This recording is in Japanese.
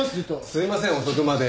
すいません遅くまで。